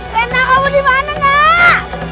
rena kamu dimana nak